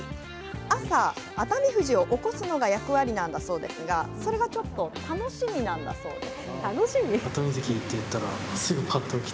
朝、熱海富士を起こすのが役割なんだそうですがそれがちょっと楽しみなんだそうです。